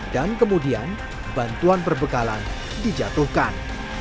dan kemudian bantuan perbekalan dijatuhkan